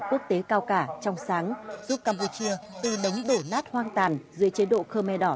quốc tế cao cả trong sáng giúp campuchia từ đống đổ nát hoang tàn dưới chế độ khơ me đỏ